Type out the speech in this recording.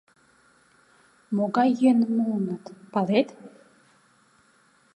Могай йӧным муыныт, палет?